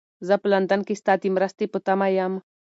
زه په لندن کې ستا د مرستې په تمه یم.